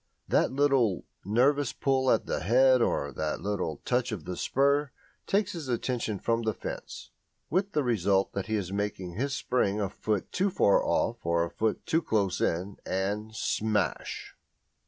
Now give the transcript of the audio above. That little, nervous pull at his head or that little touch of the spur, takes his attention from the fence, with the result that he makes his spring a foot too far off or a foot too close in, and smash!